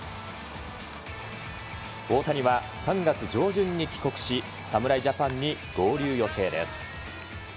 大谷は、３月上旬に帰国し侍ジャパンに合流予定です。